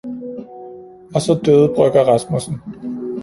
Og så døde brygger rasmussen